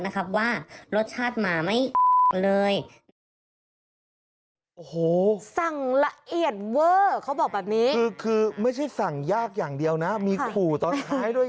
คือไม่ใช่สั่งยากอย่างเดียวนะมีขู่ตอนท้ายด้วย